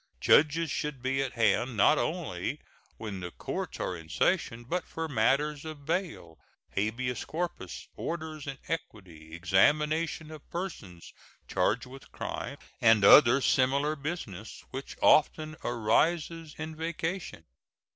Judges should be at hand, not only when the courts are in session, but for matters of bail, habeas corpus, orders in equity, examination of persons charged with crime, and other similar business, which often arises in vacation.